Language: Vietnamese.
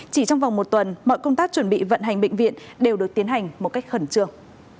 chỉ trong vòng một tuần mọi công tác chuẩn bị vận hành bệnh viện đều được tiến hành một cách khẩn trương